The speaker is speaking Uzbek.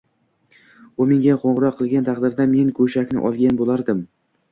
U menga qoʻngʻiroq qilgan taqdirda men goʻshakni olgan boʻlardim